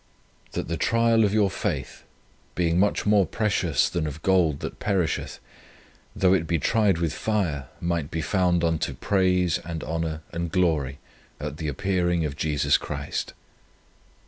"That the trial of your faith, being much more precious than of gold that perisheth, though it be tried with fire, might be found unto praise and honour and glory at the appearing of Jesus Christ."